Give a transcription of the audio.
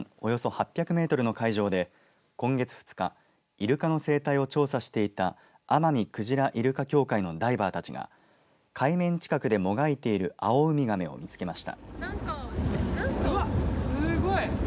およそ８００メートルの海上で、今月２日イルカの生態を調査していた奄美クジラ・イルカ協会のダイバーたちが海面近くで、もがいているアオウミガメを見つけました。